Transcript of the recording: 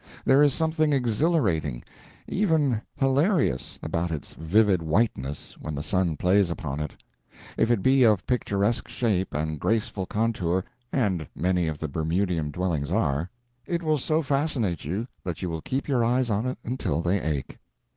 There is something exhilarating, even hilarious, about its vivid whiteness when the sun plays upon it. If it be of picturesque shape and graceful contour and many of the Bermudian dwellings are it will so fascinate you that you will keep your eyes on it until they ache.